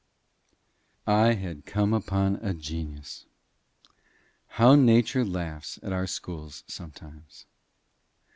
I had come upon a genius. How nature laughs at our schools sometimes!